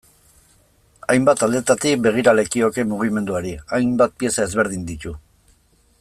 Hainbat aldetatik begira lekioke mugimenduari, hainbat pieza ezberdin ditu.